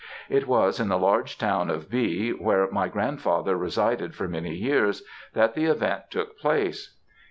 It was in the large town of B m where my grandfather resided for many years, that the event took place.